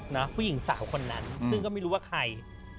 ผู้หญิงสาวคนนั้นซึ่งก็ไม่รู้ว่าใคร